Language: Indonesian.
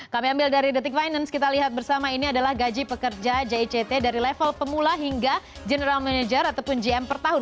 kami ambil dari detik finance kita lihat bersama ini adalah gaji pekerja jict dari level pemula hingga general manager ataupun gm per tahun